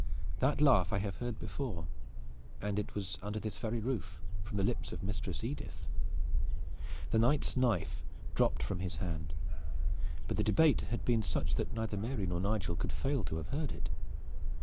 That laugh I have heard before, and it was under this very roof, from the lips of Mistress Edith." The Knight's knife dropped from his hand. But the debate had been such that neither Mary nor Nigel could fail to have heard it.